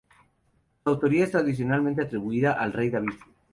Su autoría es tradicionalmente atribuida al Rey David.